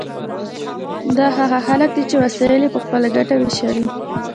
دا هغه خلک دي چې وسایل یې په خپله ګټه ویشلي.